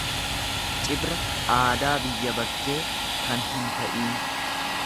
Cibra aadaa biyya bakkee kan hin ta'iin.